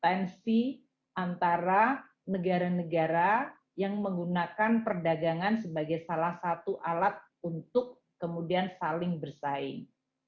tensi antara negara negara yang menggunakan perdagangan sebagai salah satu alat untuk kemudian saling bersaing